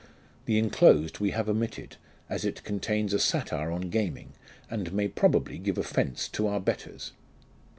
"(The inclosed we have omitted, as it contains a satire on gaming, and may probably give offence to our betters.